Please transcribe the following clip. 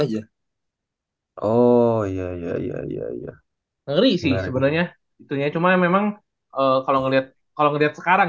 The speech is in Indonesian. aja oh iya iya iya iya ngeri sih sebenarnya itu ya cuma memang kalau ngelihat kalau lihat sekarang